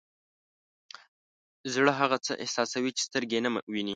زړه هغه څه احساسوي چې سترګې یې نه ویني.